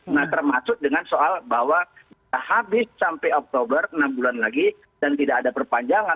nah termasuk dengan soal bahwa habis sampai oktober enam bulan lagi dan tidak ada perpanjangan